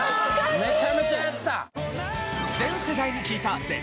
めちゃめちゃやった！